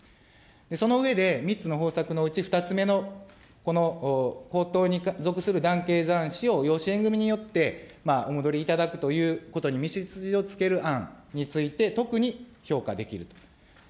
その上で、３つの方策のうち、２つ目のこの皇統に属する男系男子を養子縁組みによって、お戻りいただくということに道筋をつける案について、特に評価できると。